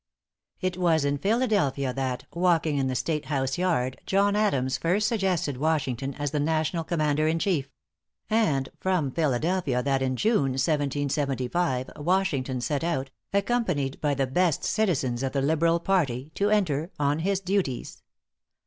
It was in Philadelphia that, walking in the State House yard, John Adams first suggested Washington as the National commander in chief; and from Philadelphia that in June, 1775, Washington set out, accompanied by the best citizens of the liberal party, to enter on his duties.